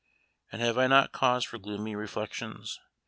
And have I not cause for gloomy reflections?